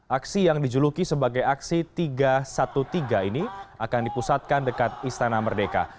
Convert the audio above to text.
aksi yang dijuluki sebagai aksi tiga ratus tiga belas ini akan dipusatkan dekat istana merdeka